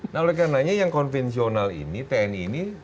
nah oleh karena nya yang konvensional ini tni ini